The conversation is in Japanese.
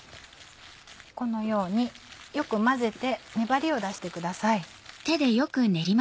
このようによく混ぜて粘りを出してください。